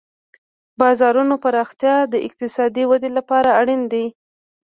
د بازارونو پراختیا د اقتصادي ودې لپاره اړین دی.